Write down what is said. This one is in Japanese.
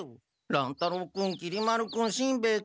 乱太郎君きり丸君しんべヱ君